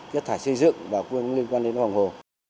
chất thải xây dựng liên quan đến lòng hồ